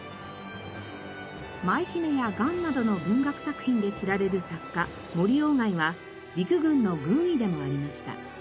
『舞姫』や『雁』などの文学作品で知られる作家森外は陸軍の軍医でもありました。